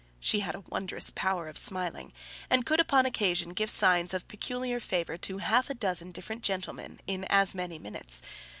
She had a wondrous power of smiling; and could, upon occasion, give signs of peculiar favour to half a dozen different gentlemen in as many minutes.